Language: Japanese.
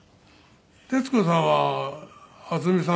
徹子さんは渥美さんとは。